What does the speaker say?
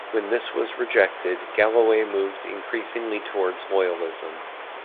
When this was rejected, Galloway moved increasingly towards Loyalism.